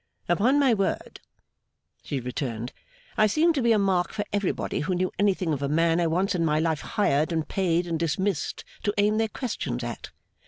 'Upon my word,' she returned, 'I seem to be a mark for everybody who knew anything of a man I once in my life hired, and paid, and dismissed, to aim their questions at!